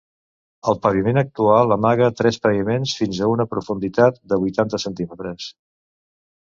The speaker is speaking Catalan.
El paviment actual amaga tres paviments fins a una profunditat de vuitanta centímetres.